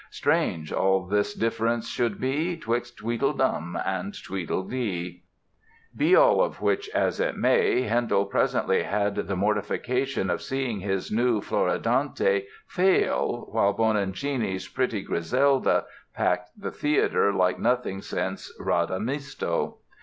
_ Strange, all this difference should be 'Twixt Tweedledum and Tweedledee." Be all of which as it may, Handel presently had the mortification of seeing his own new "Floridante" fail while Bononcini's pretty "Griselda" packed the theatre like nothing since "Radamisto!"